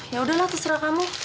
yaudah lah terserah kamu